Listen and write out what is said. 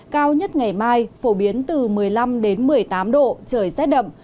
cao nhất ngày mai phổ biến từ một mươi năm một mươi tám độ trời rét đậm